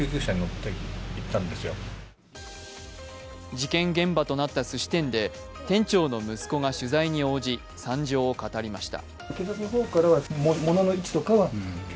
事件現場となったすし店で店長の息子が取材に応じ惨状を語りました。